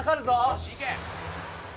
よしいけ！